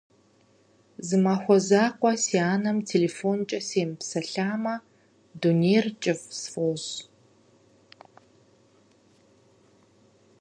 Зы махуэ закъуэ си анэм телефонкӏэ семыпсэлъамэ, дунейр кӏыфӏ сфӏощӏ.